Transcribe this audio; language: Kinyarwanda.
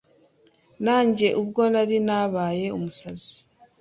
nanjye ubwo nari nabaye umusazi